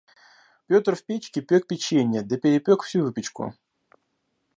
Петр в печке пёк печенье, да перепёк всю выпечку.